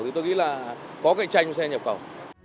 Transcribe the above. thì tôi nghĩ là có cạnh tranh với xe nhập khẩu